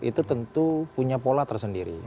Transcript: itu tentu punya pola tersendiri